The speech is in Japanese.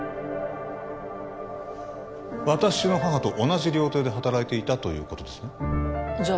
私の母と同じ料亭で働いていたということですねじゃ